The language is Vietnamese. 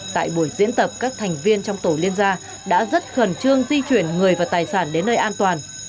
tại buổi diễn tập các thành viên trong tổ liên gia đã rất khẩn trương di chuyển người và tài sản đến nơi an toàn